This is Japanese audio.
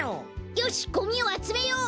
よしゴミをあつめよう！